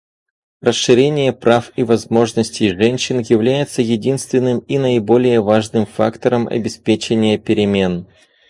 Расширение прав и возможностей женщин является единственным и наиболее важным фактором обеспечения перемен.